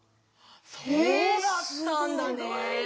そうだったんだね。